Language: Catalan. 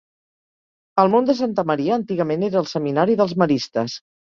El Mont de Santa Maria antigament era el seminari dels maristes.